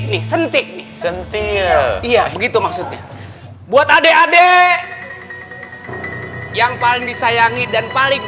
sentik sentik sentir iya gitu maksudnya buat adek adek yang paling disayangi dan paling